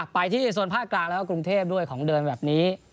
ไปที่โซนภาคกลางแล้วก็กรุงเทพด้วยของเดินแบบนี้